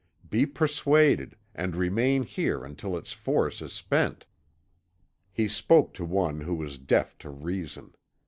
Be persuaded, and remain here until its force is spent." He spoke to one who was deaf to reason.